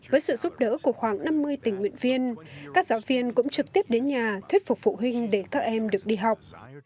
với sự giúp đỡ của khoảng năm mươi tình nguyện viên các giáo viên cũng trực tiếp đến nhà thuyết phục phụ huynh để các em được đi học